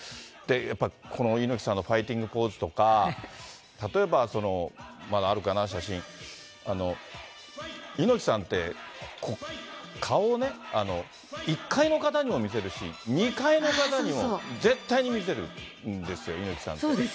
やっぱりこの猪木さんのファイティングポーズとか、例えば、まだあるかな、写真、猪木さんって顔ね、１階の方にも見せるし、２階の方にも絶対に見せるんですよ、猪木さんって。